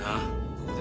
ここで。